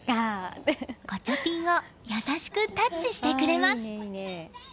ガチャピンを優しくタッチしてくれます。